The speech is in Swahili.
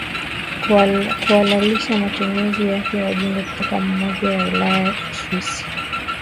kuhalalisha matumizi yakeWajumbe kutoka Umoja wa Ulaya Uswisi